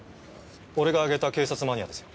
俺が挙げた警察マニアですよ。